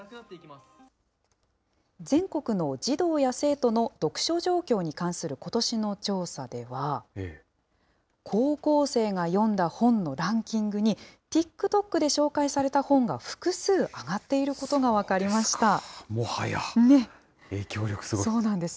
全国の児童や生徒の読書状況に関することしの調査では、高校生が読んだ本のランキングに、ＴｉｋＴｏｋで紹介された本が複数挙がっていることが分かりましそうですか、もはや、影響力そうなんです。